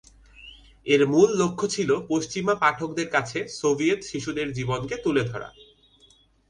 এর মূল লক্ষ্য ছিল পশ্চিমা পাঠকদের কাছে সোভিয়েত শিশুদের জীবনকে তুলে ধরা।